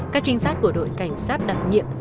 các trinh sát của đội cảnh sát đặc nhiệm